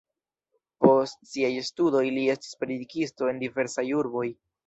Post siaj studoj li estis predikisto en diversaj urboj.